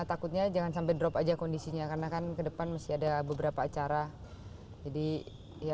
takutnya jangan sampai drop aja kondisinya karena kan ke depan masih ada beberapa acara jadi ya